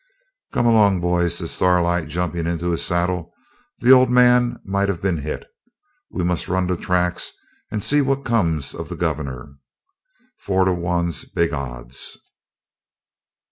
'Come along, boys,' says Starlight, jumping into his saddle. 'The old man might have been hit. We must run the tracks and see what's come of the governor. Four to one's big odds.'